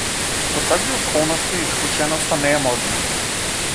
Во такви околности исклученоста не е можна.